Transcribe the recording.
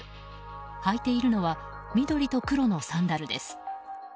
履いているのは緑と黒のサンダルです。